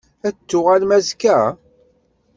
Ad n-tuɣalem azekka?